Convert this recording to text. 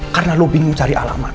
karena lo bingung cari alamat